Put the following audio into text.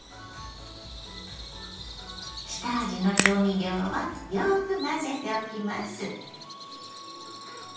下味の調味料はよく混ぜておきます。